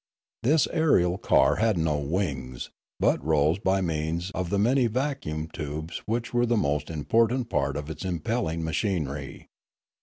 This aerial car had no wings, but rose by means of the many vacuum tubes which were the most important part of its impelling machinery.